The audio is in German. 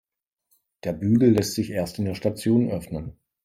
Der Bügel lässt sich erst in der Station öffnen.